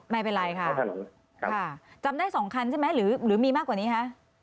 ไม่เป็นไรค่ะจำได้๒คันใช่ไหมหรือมีมากกว่านี้คะ